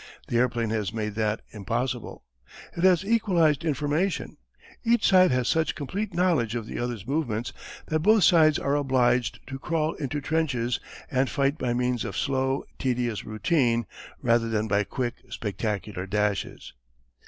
The airplane has made that impossible. It has equalized information. Each side has such complete knowledge of the other's movements that both sides are obliged to crawl into trenches and fight by means of slow, tedious routine, rather than by quick, spectacular dashes.